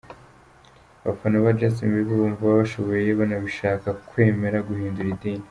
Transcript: abafana ba Justin Bieber bumva babishoboye banabishaka kwemera guhindura idini.